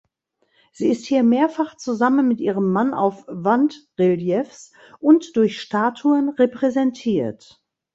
Sie ist hier mehrfach zusammen mit ihrem Mann auf Wandreliefs und durch Statuen repräsentiert.